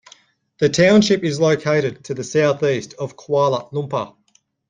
The township is located to the south-east of Kuala Lumpur.